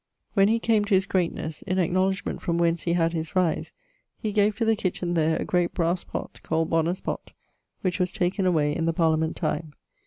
When he came to his greatnes, in acknowledgement from whence he had his rise, he gave to the kitchin there a great brasse pott, called Bonner's pott, which was taken away in the parliament time.